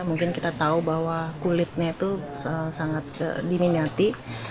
mungkin kita tahu bahwa kulitnya itu sangat diminati